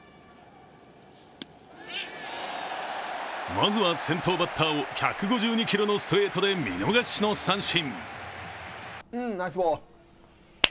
まずは先頭バッターを１５２キロのストレートで見逃しの三振。